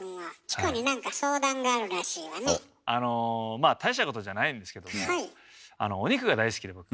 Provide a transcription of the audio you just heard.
まあ大したことじゃないんですけどもお肉が大好きで僕。